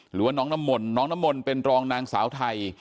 หรือว่าน้องน้ำมนต์น้องน้ำมนต์เป็นรองนางสาวไทย